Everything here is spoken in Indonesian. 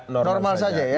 normal saja ya